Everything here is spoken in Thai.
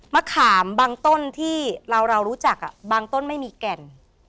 มะขามบางต้นที่เรารู้จักบางต้นไม่มีแก่น